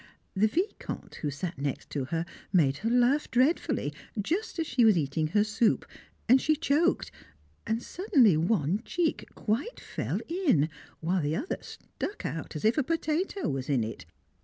The Vicomte, who sat next to her, made her laugh dreadfully, just as she was eating her soup, and she choked, and suddenly one cheek quite fell in, while the other stuck out as if a potato was in it.